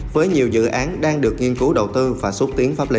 với nhiều dự án đang được nghiên cứu đầu tư và xúc tiến pháp lý